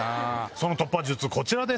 その突破術こちらです。